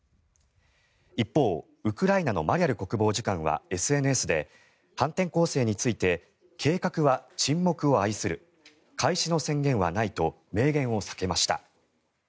一方、ウクライナのマリャル国防次官はＳＮＳで反転攻勢について計画は沈黙を愛する開始の宣言はないと明言を避けました。